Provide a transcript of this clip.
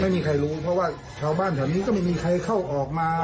ไม่มีใครรู้เพราะว่าชาวบ้านแถวนี้ก็ไม่มีใครเข้าออกมา